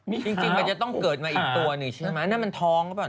จริงมันจะต้องเกิดมาอีกตัวหนึ่งใช่ไหมนั่นมันท้องหรือเปล่า